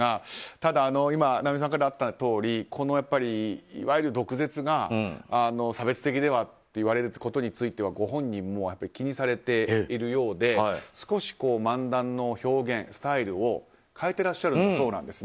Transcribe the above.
ただ尚美さんからもあったとおりいわゆる毒舌が差別的ではと言われることについてはご本人も気にされているようで少し漫談の表現、スタイルを変えていらっしゃるそうなんです。